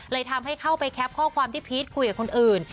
ทำให้เข้าไปแคปข้อความที่พีชคุยกับคนอื่น